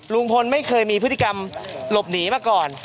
ลุงพลไม่เคยมีพฤติกรรมหลบหนีมาก่อน